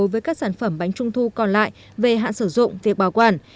vài sản phẩm bánh trung thu còn lại về hạn sử dụng việc bảo quản